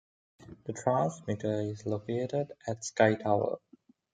The transmitter is located at Skytower.